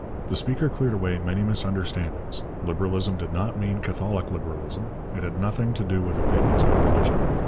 The speaker cleared away many misunderstandings. Liberalism did not mean Catholic Liberalism; it had nothing to do with opinions on religion.